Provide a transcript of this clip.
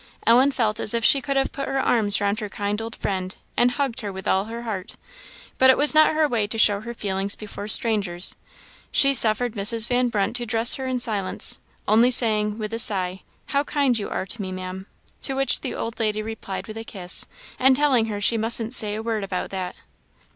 Ellen felt as if she could have put her arms round her kind old friend, and hugged her with all her heart; but it was not her way to show her feelings before strangers. She suffered Mrs. Van Brunt to dress her in silence, only saying, with a sigh, "How kind you are to me, Maam!" to which the old lady replied with a kiss, and telling her she mustn't say a word about that.